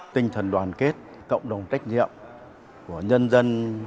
tinh thần đoàn kết cộng đồng trách nhiệm của nhân dân